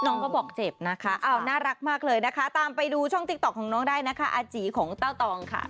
น้องก็บอกเจ็บนะคะอ้าวน่ารักมากเลยนะคะตามไปดูช่องติ๊กต๊อกของน้องได้นะคะอาจีของเต้าตองค่ะ